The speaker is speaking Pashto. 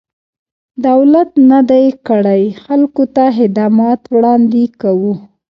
دولت نه دی کړی، خلکو ته خدمات وړاندې کوو.